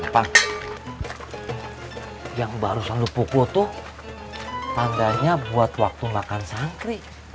pak yang barusan lu pukul tuh tandanya buat waktu makan sangkri